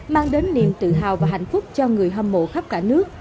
mang đến niềm tự hào và hạnh phúc cho người hâm mộ khắp cả nước